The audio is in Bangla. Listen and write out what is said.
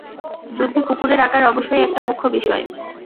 যুদ্ধে কুকুরের আকার অবশ্যই একটা মুখ্য বিষয়।